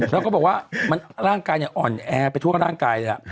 แล้วก็บอกว่าร่างกายอ่อนแอไปทั่วร่างกายเลย